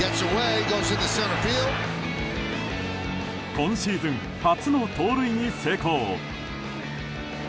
今シーズン初の盗塁に成功。